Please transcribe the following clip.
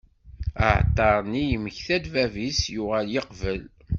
Aεeṭṭar-nni yemmekta-d bab-is, yuγal yeqbel.